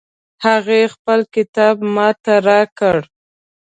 هغې خپل کتاب ما ته راکړ